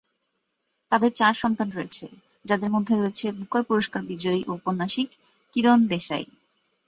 তাদের চার সন্তান রয়েছে, যাদের মধ্যে রয়েছে বুকার পুরস্কার বিজয়ী উপন্যাসিক কিরণ দেশাই।